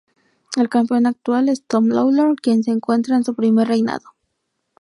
El campeón actual es Tom Lawlor, quien se encuentra en su primer reinado.